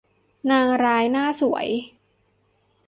นางร้ายหน้าสวย